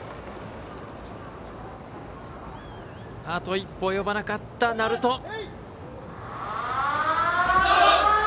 あと一歩及ばなかった、鳴門。